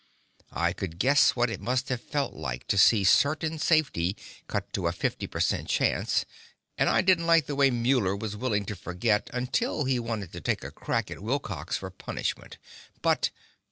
I could guess what it must have felt like to see certain safety cut to a 50 per cent chance, and I didn't like the way Muller was willing to forget until he wanted to take a crack at Wilcox for punishment. But....